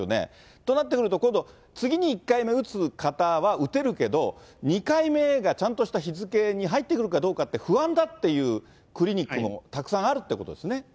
となってくると今度、次に１回目打つ方は打てるけど、２回目がちゃんとした日付に入ってくるかどうかって不安だっていうクリニックもたくさんあるってことですね。